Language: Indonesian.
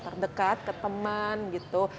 terdekat ke temen gitu